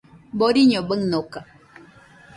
Boriño baɨnoka